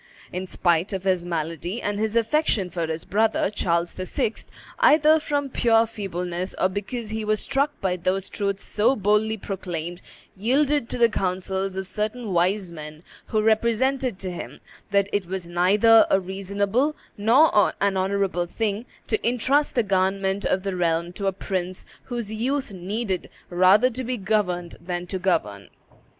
In spite of his malady and his affection for his brother, Charles VI., either from pure feebleness or because he was struck by those truths so boldly proclaimed, yielded to the counsels of certain wise men who represented to him "that it was neither a reasonable nor an honorable thing to intrust the government of the realm to a prince whose youth needed rather to be governed than to govern."